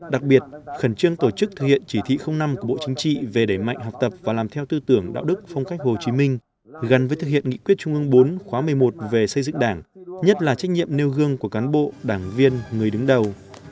đặc biệt khẩn trương tổ chức thực hiện chỉ thị năm của bộ chính trị về đẩy mạnh học tập và làm theo tư tưởng đạo đức phong cách hồ chí minh gắn với thực hiện nghị quyết trung ương bốn khóa một mươi một về xây dựng đảng nhất là trách nhiệm nêu gương của cán bộ đảng viên người đứng đầu